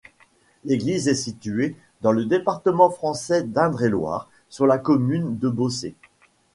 L'église est située dans le département français d'Indre-et-Loire, sur la commune de Bossée.